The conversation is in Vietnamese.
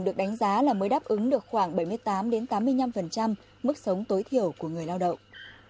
được đánh giá là mới đáp ứng được khoảng bảy mươi tám tám mươi năm mức sống tối thiểu của người lao động